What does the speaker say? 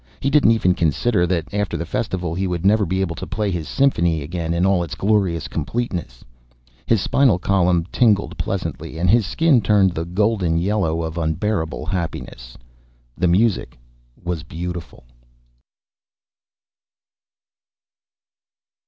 He didn't even consider that after the Festival he would never be able to play his symphony again in all its glorious completeness. His spinal column tingled pleasantly, and his skin turned the golden yellow of unbearable happiness. The music was beautiful.